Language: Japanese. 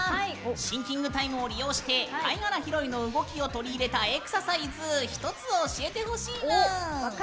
シンキングタイムを利用して貝殻拾いの動きを取り入れたエクササイズを１つ教えてほしいぬーん。